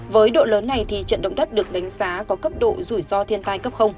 với độ lớn này trận động đất được đánh giá có cấp độ rủi ro thiên tai cấp